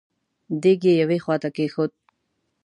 دېګ يې يوې خواته کېښود.